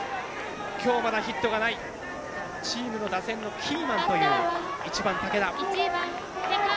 きょう、まだヒットがないチームの打線のキーマンという１番、武田。